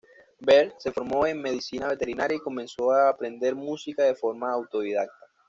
Berg se formó en medicina veterinaria y comenzó a aprender música de forma autodidacta.